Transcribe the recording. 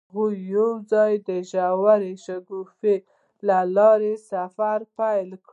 هغوی یوځای د ژور شګوفه له لارې سفر پیل کړ.